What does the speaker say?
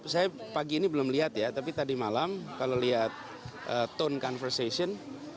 saya pagi ini belum lihat ya tapi tadi malam kalau lihat tone conversation